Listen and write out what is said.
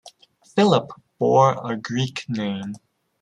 Philip bore a Greek name.